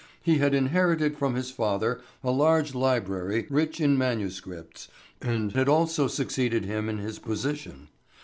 He had inherited from his father a large library rich in manuscripts, and had also succeeded him in his position.